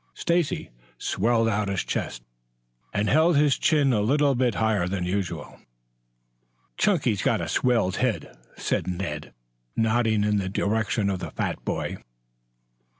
Stacy swelled out his chest and held his chin a little bit higher than usual. "Chunky's got a swelled head," said Ned, nodding in the direction of the fat boy.